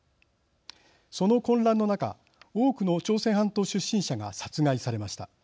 その混乱の中多くの朝鮮半島出身者が殺害されました。